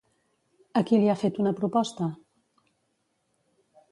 A qui li ha fet una proposta?